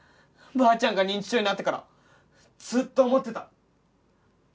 ばあちゃんが認知症になってからずっと思ってた。